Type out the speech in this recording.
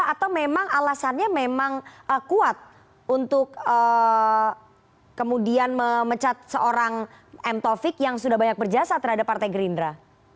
atau memang alasannya memang kuat untuk kemudian memecat seorang m taufik yang sudah banyak berjasa terhadap partai gerindra